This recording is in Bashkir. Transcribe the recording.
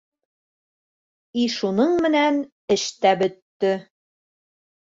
И шуңың менән эш тә бөтә.